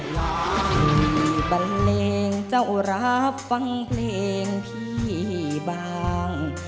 บ้าบันเลงเจ้ารับฟังเพลงพี่บาง